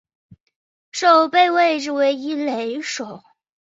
守备位置为一垒手。